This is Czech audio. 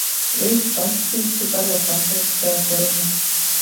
Jejich panství připadlo francouzské koruně.